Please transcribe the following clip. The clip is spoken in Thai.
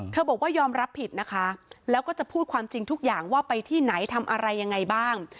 บอกว่ายอมรับผิดนะคะแล้วก็จะพูดความจริงทุกอย่างว่าไปที่ไหนทำอะไรยังไงบ้าง